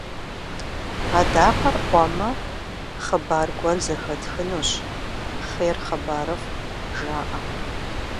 Адакъэр ӏуэмэ, хъыбар гуэр зэхэтхынущ, «хъер, хъыбарыфӏ» жаӏэ.